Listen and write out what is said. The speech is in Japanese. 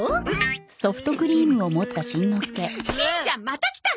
しんちゃんまた来たの！？